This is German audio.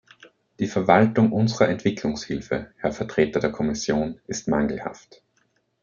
Die Verwaltung unserer Entwicklungshilfe, Herr Vertreter der Kommission, ist mangelhaft.